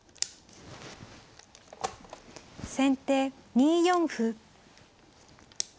先手２四歩。